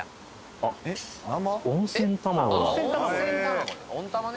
あっ温泉卵ね